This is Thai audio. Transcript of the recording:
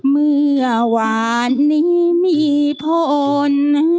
เมื่อวานนี้มีผล